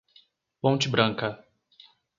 Ponte Branca